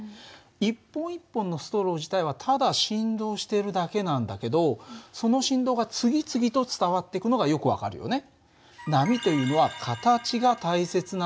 一本一本のストロー自体はただ振動しているだけなんだけどその振動が次々と伝わってくのがよく分かるよね。